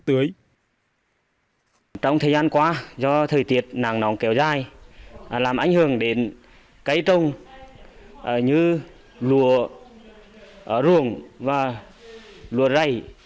trong thời gian qua do thời tiết nắng nóng kéo dài làm ảnh hưởng đến cây trông như lùa ruộng và lùa rầy